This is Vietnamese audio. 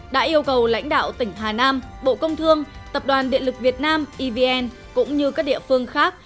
đã yêu cầu lãnh đạo tỉnh hà nam bộ công thương tập đoàn điện lực việt nam evn cũng như các địa phương khác